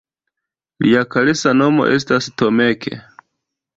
Lia karesa nomo estas Tomek!